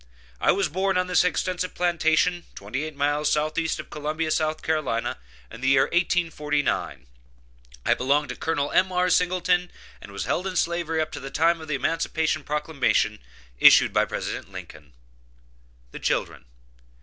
I was born on this extensive plantation, twenty eight miles southeast of Columbia, South Carolina, in the year 1849. I belonged to Col. M.R. Singleton, and was held in slavery up to the time of the emancipation proclamation issued by President Lincoln. THE CHILDREN.